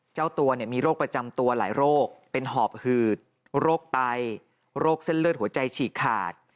เจ้าตัวมีโรคประจำตัวหลายโรคเป็นหอบหืดโรคไตโรคเส้นเลือดหัวใจฉีกขาด